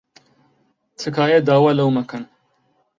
تکایە داوا لەو مەکەن.